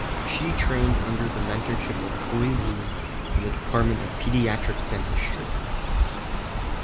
She trained under the mentorship of Hui Wu in the Department of Pediatric Dentistry.